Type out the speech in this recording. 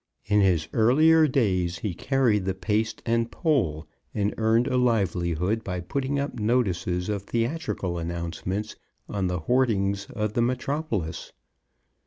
In his earlier days he carried the paste and pole, and earned a livelihood by putting up notices of theatrical announcements on the hoardings of the metropolis.